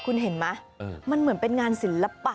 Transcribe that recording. คุณเห็นไหมมันเหมือนเป็นงานศิลปะ